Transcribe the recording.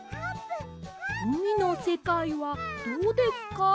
「うみのせかいはどうですか？」